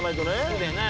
そうだよね。